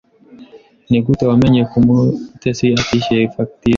Nigute wamenye ko Mutesi atishyuye fagitire?